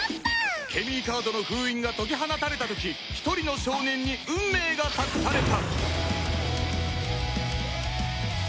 ケミーカードの封印が解き放たれた時一人の少年に運命が託された